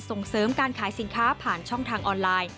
ส่งเสริมการขายสินค้าผ่านช่องทางออนไลน์